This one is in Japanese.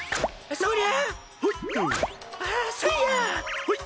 そりゃ！